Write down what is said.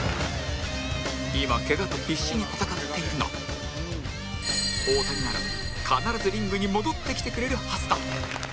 今ケガと必死に闘っているが大谷なら必ずリングに戻ってきてくれるはずだ